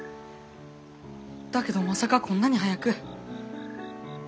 だけどまさかこんなに早く。